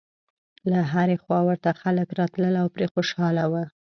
له هرې خوا ورته خلک راتلل او پرې خوشاله و.